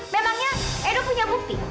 memangnya edo punya bukti